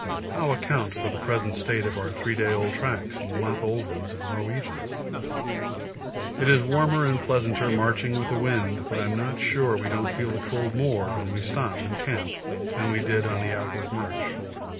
How account for the present state of our three day old tracks and the month old ones of the Norwegians? It is warmer and pleasanter marching with the wind, but I'm not sure we don't feel the cold more when we stop and camp than we did on the outward march.